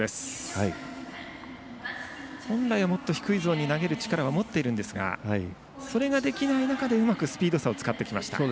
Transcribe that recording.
本来はもっと低いゾーンに投げる力は持っているんですがそれができない中でうまくスピード差を使ってきました。